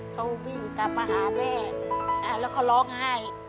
เขาวิ่งกลับมาหาแม่แล้วก็ร้องไห้